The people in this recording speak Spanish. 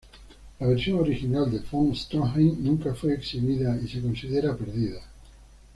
La versión original de Von Stroheim nunca fue exhibida, y se considera perdida.